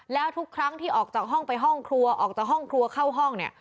แล้วทุกครั้งที่ออกจากห้องไปห้องครัวออกจากห้องครัวเข้าห้องเนี่ย